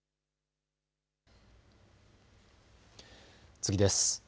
次です。